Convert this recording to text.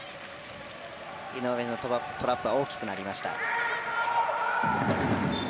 井上のトラップは大きくなりました。